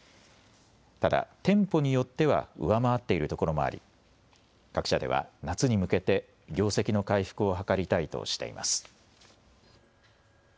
ただ店舗によっては上回っているところもあり各社では夏に向けて業績の回復を図りたいとしています。